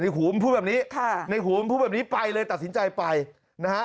หูมพูดแบบนี้ค่ะในหูมพูดแบบนี้ไปเลยตัดสินใจไปนะฮะ